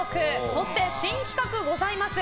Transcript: そして、新企画ございます。